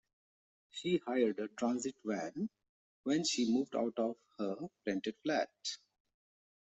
She hired a transit van when she moved out of her rented flat